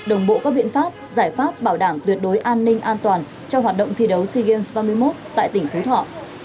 đồng bộ các biện pháp giải pháp bảo đảm tuyệt đối an ninh an toàn cho hoạt động thi đấu sea games ba mươi một tại tỉnh phú thọ